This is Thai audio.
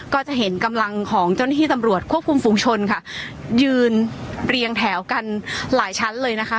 ก็จะเห็นกำลังของเจ้าหน้าที่ตำรวจควบคุมฝุงชนค่ะยืนเรียงแถวกันหลายชั้นเลยนะคะ